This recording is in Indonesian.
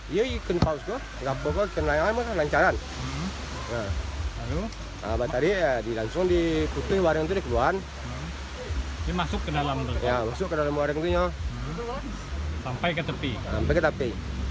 ia masuk ke dalam warang itu sampai ke tepi